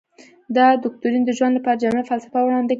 دا دوکتورین د ژوند لپاره جامعه فلسفه وړاندې کوي.